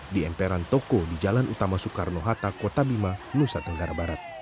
di emperan toko di jalan utama soekarno hatta kota bima nusa tenggara barat